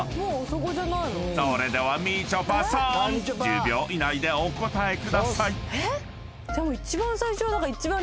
［それではみちょぱさーん１０秒以内でお答えください］でも一番最初は。